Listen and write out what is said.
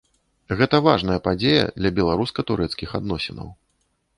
Гэта важная падзея для беларуска-турэцкіх адносінаў.